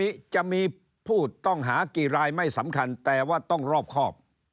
วันนี้จะมีผู้ต้องหากี่รายไม่สำคัญแต่ว่าต้องรอบครอบ